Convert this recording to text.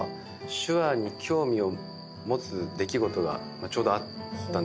手話に興味を持つ出来事がちょうどあったんですけど。